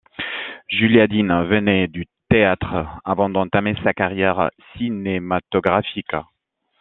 Julia Dean venait du théâtre avant d'entamer sa carrière cinématographique.